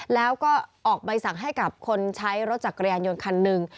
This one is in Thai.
แล้วก็ออกใบสั่งให้กับคนใช้รถจักรยานยนต์คันหนึ่ง